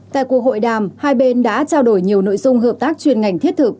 tại cuộc hội đàm hai bên đã trao đổi nhiều nội dung hợp tác chuyên ngành thiết thực